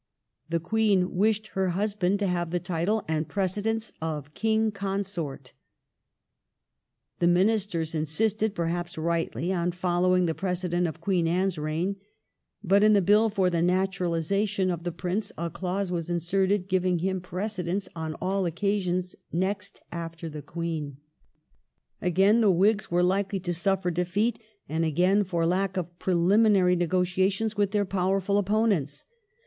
The Queen wished her husband to have the style and precedence of King Consort The Ministei s insisted, perhaps rightly, on following the precedent of Queen Anne's reign : but in the Bill for the naturalization of the Prince a clause was inserted giving him precedence on all occasions next after the Queen. Again the Whigs were likely to suffer defeat, and again for lack of preliminary negotiations with their powerful opponents.